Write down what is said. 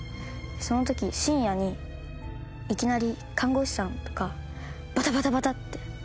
その時深夜にいきなり看護師さんとかバタバタバタッて。